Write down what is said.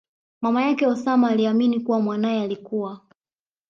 mama yake Osama aliamini kuwa mwanaye alikua